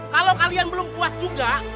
kalau kalian belum puas juga